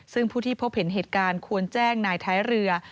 ซึ่งผู้ที่พบเห็นเหตุการณ์ควรแจ้งนายท้ายเรือ